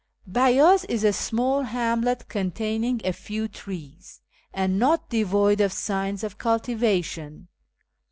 Beytiz is a small hamlet containing a few trees, and not devoid of signs of cultivation.